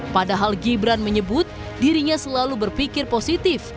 padahal gibran menyebut dirinya selalu berpikir positif